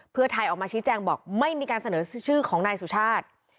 เพื่อไทยออกมาชี้แจงบอกไม่มีการเสนอชื่อของนายสุชาติ